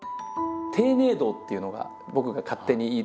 「丁寧道」っていうのが僕が勝手に。